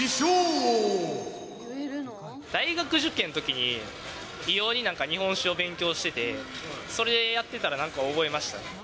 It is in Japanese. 大学受験のときに、異様になんか日本史を勉強してて、それでやってたら、なんか覚えましたね。